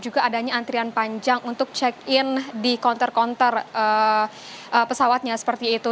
hanya antrian panjang untuk check in di counter counter pesawatnya seperti itu